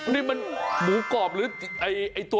นี่มันหมูกรอบหรือไอ้ตัว